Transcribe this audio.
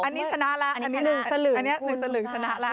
อันนี้ชนะละอันนี้๑สลึงชนะละ